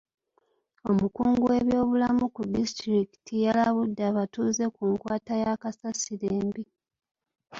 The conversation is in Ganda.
Omukungu w'ebyobulamu ku disitulikiti yalabudde abatuuze ku nkwata ya kasasiro embi.